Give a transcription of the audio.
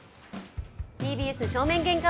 ＴＢＳ正面玄関